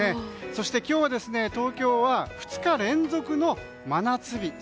そして、今日は東京は２日連続の真夏日。